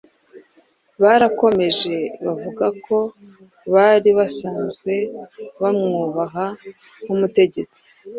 Barakomeje bavuga ko bari basanzwe bamwubaha nk’umutegetsi